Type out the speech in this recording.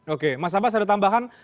oke mas sabah saya ada tambahan